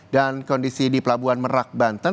dan kondisi di pelabuhan merak banten